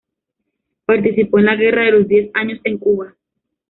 Participó en la Guerra de los Diez Años en Cuba.